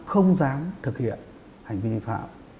không dám thực hiện hành vi vi phạm